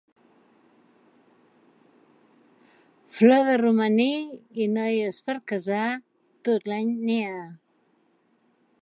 Flor de romaní i noies per casar, tot l'any n'hi ha.